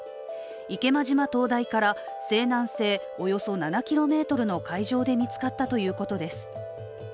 池間島灯台から西南西およそ７ｋｍの海上で見つかったということです。